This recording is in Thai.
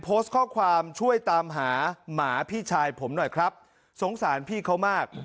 โพสต์ข้อความช่วยตามหาหมาพี่ชายผมหน่อยครับสงสารพี่เขามาก